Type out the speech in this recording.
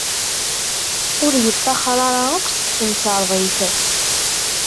Ur yettaxer ara akk seg temkarḍit.